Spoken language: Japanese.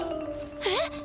えっ！？